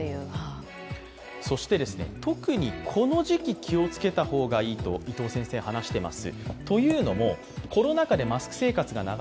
そして特にこの時期気をつけた方がいいと伊藤先生、話しています。